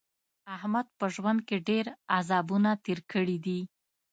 احمد په ژوند کې ډېر عذابونه تېر کړي دي.